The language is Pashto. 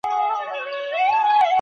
خپلي زده کړي په پوره جدیت سره پر مخ وړئ.